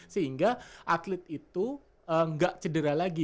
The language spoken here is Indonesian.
sehingga atlet itu nggak cedera lagi